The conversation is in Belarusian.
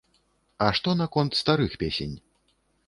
А што наконт старых песень?